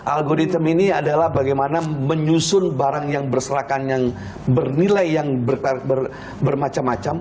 algoritem ini adalah bagaimana menyusun barang yang berserakan yang bernilai yang bermacam macam